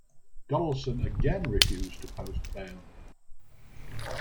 Donaldson again refused to post bail.